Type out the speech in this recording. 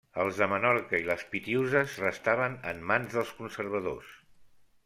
Els de Menorca i les Pitiüses restaven en mans dels conservadors.